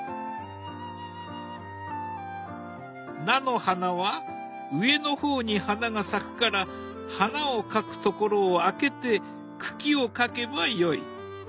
菜の花は上の方に花が咲くから花を描くところをあけて茎を描けばよい。